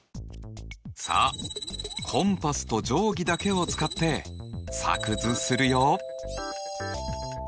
さあコンパスと定規だけを使って作図するよ！